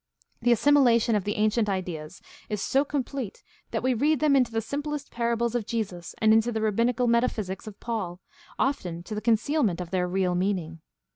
The assimilation of the ancient ideas is so complete that we read them into the simplest parables of Jesus and into the rabbinical metaphysics of Paul, often to the concealment of their real meaning.